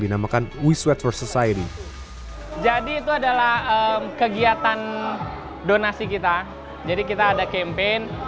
dinamakan wiswet for society jadi itu adalah kegiatan donasi kita jadi kita ada campaign